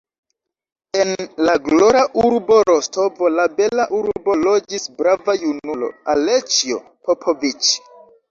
En la glora urbo Rostovo, la bela urbo, loĝis brava junulo, Aleĉjo Popoviĉ.